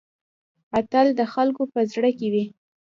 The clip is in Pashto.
اتل د خلکو په زړه کې وي؟